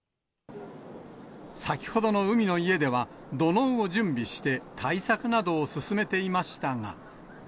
先ほどの海の家では、土のうを準備して対策などを進めていましたが。